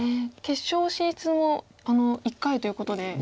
決勝進出も１回ということで。